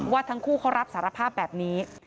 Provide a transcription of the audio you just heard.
ทั้งคู่เขารับสารภาพแบบนี้